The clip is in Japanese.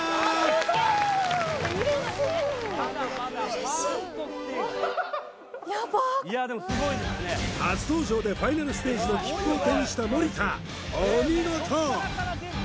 すごーい嬉しい初登場でファイナルステージの切符を手にした森田お見事！